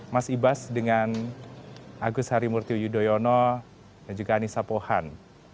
mas ibas dengan agus harimurti yudhoyono dan juga anissa pohan